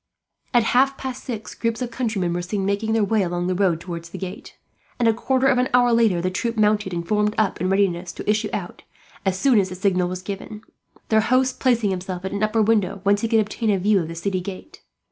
At half past six groups of countrymen were seen, making their way along the road towards the gate and, a quarter of an hour later, the troop mounted and formed up, in readiness to issue out as soon as the signal was given; their host placing himself at an upper window, whence he could obtain a view of the city gate.